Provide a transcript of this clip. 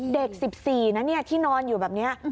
เด็ก๑๔นะที่นอนอยู่แบบนี้